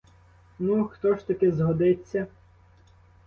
Ну, хто ж таки згодиться?